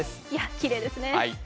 きれいですね。